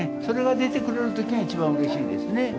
それが出てくれる時が一番うれしいですね。